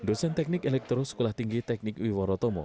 presiden teknik elektrosekolah tinggi teknik iwo rotomo